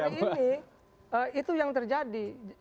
hari ini itu yang terjadi